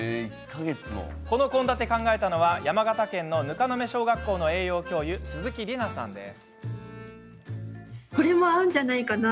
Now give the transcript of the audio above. この献立を考えたのは、山形県の糠野目小学校の栄養教諭、鈴木梨菜さんです。